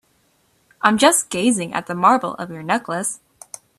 I'm just gazing at the marble of your necklace.